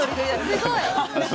すごい。